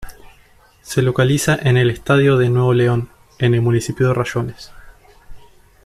Se localiza en el estado de Nuevo León, en el municipio de Rayones.